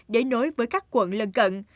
để nối với các quận lân cận